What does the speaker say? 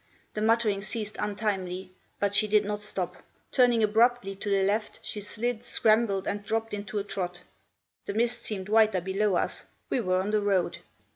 The muttering ceased untimely; but she did not stop; turning abruptly to the left, she slid, scrambled, and dropped into a trot. The mist seemed whiter below us; we were on the road.